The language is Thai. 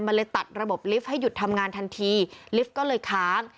มันเลยตัดระบบลิฟต์ให้หยุดทำงานทันทีลิฟต์ก็เลยค้าง